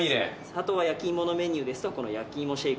あとは焼き芋のメニューですとこの焼き芋シェイク。